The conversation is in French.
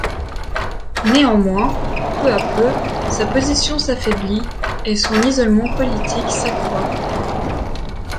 Néanmoins, peu à peu, sa position s’affaiblit, et son isolement politique s’accroît.